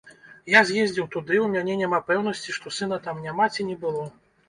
Я з'ездзіў туды, у мяне няма пэўнасці, што сына там няма ці не было.